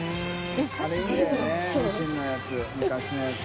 ミシンのやつ昔のやつ。